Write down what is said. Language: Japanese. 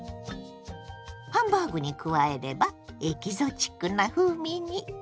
ハンバーグに加えればエキゾチックな風味に！